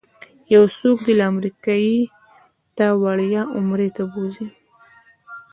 یو څوک دې له امریکې تا وړیا عمرې ته بوځي.